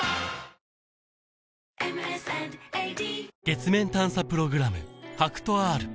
月面探査プログラム